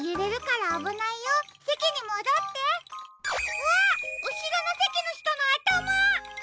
うしろのせきのひとのあたま！